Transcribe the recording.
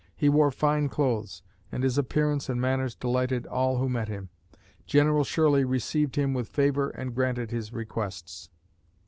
He wore fine clothes and his appearance and manners delighted all who met him. General Shirley received him with favor and granted his requests.